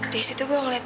di situ gue ngeliatnya